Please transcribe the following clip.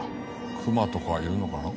クマとかいるのかな。